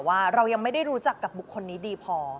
ว่าเรายังไม่ได้รู้จักกับบุคคลนี้ดีพอ